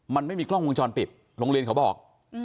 มันไม่มีกล้องวงจรปิดโรงเรียนเขาบอก